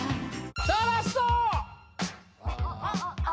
さあラストああ